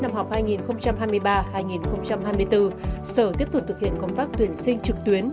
năm học hai nghìn hai mươi ba hai nghìn hai mươi bốn sở tiếp tục thực hiện công tác tuyển sinh trực tuyến